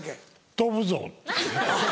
「飛ぶぞ」。